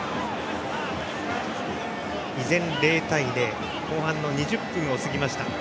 依然、０対０で後半２０分を過ぎました。